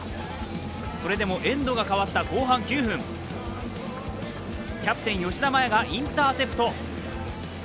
それでもエンドが変わった後半９分キャプテン・吉田麻也がインターセプト。